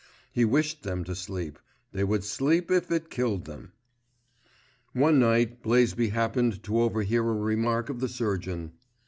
He wished them to sleep; they would sleep if it killed them. One night Blaisby happened to overhear a remark of the surgeon.